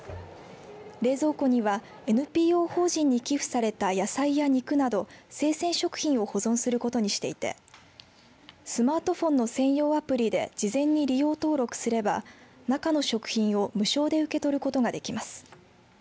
冷蔵庫にはＮＰＯ法人に寄付された野菜や肉など生鮮食品を保存することにしていてスマートフォンの専用アプリで事前に利用登録すれば中の食品を無償で受け取ることができます。